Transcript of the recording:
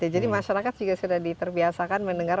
jadi masyarakat juga sudah diterbiasakan mendengar